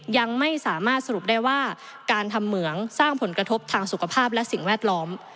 ยังไม่สามารถสรุปได้ว่าการทำเหมืองสร้างผลกระทบทางสุขภาพและสิ่งแวดล้อม